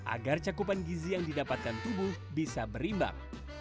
agar cakupan gizi yang didapatkan tubuh bisa berimbang